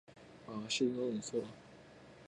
明日の空